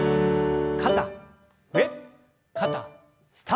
肩上肩下。